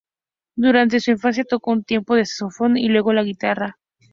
Durante su infancia tocó un tiempo el saxofón, y luego la guitarra.